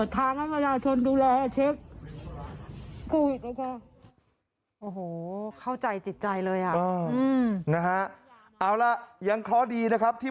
อยากให้เขาดูแลคนว่ามากกว่านี้